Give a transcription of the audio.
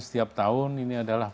setiap tahun ini adalah